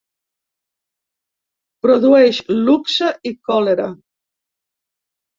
Produeix luxe i còlera.